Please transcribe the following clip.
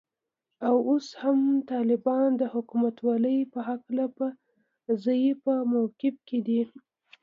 او اوس هم طالبان د حکومتولې په هکله په ضعیفه موقف کې دي